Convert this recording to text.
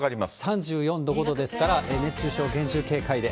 ３４度、５度ですから、熱中症厳重警戒で。